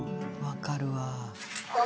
わかるわ。